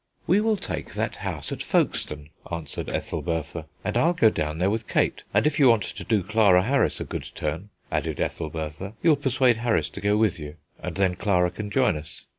"We will take that house at Folkestone," answered Ethelbertha, "and I'll go down there with Kate. And if you want to do Clara Harris a good turn," added Ethelbertha, "you'll persuade Harris to go with you, and then Clara can join us.